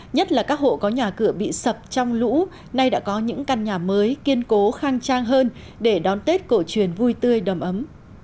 nhất là các hộ có nhà cửa bị sập trong lũ nay đã có những căn nhà mới kiên cố khang trang hơn để đón tết cổ truyền vui tươi đầm ấm